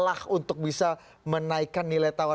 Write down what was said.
atau mungkin juga untuk bisa menaikkan nilai tawar